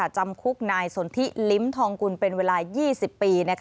จำคุกนายสนทิลิ้มทองกุลเป็นเวลา๒๐ปี